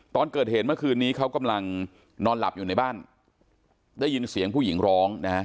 ตอนเกิดเหตุเมื่อคืนนี้เขากำลังนอนหลับอยู่ในบ้านได้ยินเสียงผู้หญิงร้องนะฮะ